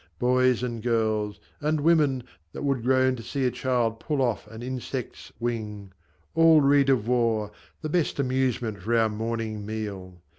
Boys and girls, And women, that would groan to see a child Pull off an insect's wing, all read of war, The best amusement for our morning meal